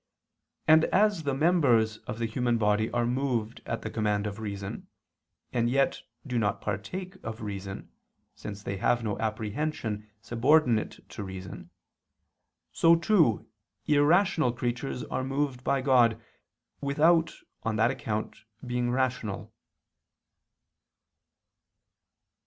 And as the members of the human body are moved at the command of reason, and yet do not partake of reason, since they have no apprehension subordinate to reason; so too irrational creatures are moved by God, without, on that account, being rational.